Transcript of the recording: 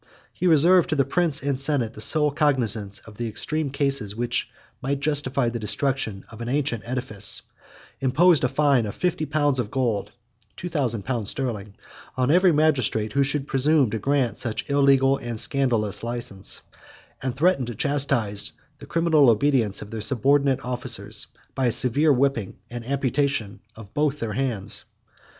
43 He reserved to the prince and senate the sole cognizance of the extreme cases which might justify the destruction of an ancient edifice; imposed a fine of fifty pounds of gold (two thousand pounds sterling) on every magistrate who should presume to grant such illegal and scandalous license, and threatened to chastise the criminal obedience of their subordinate officers, by a severe whipping, and the amputation of both their hands.